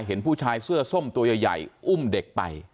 เห็นผู้ชายเสื้อส้มตัวใหญ่อุ้มเด็กไป